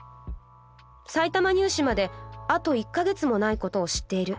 埼玉入試まであと一ヶ月もないことを知っている。